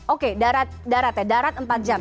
oke darat ya darat empat jam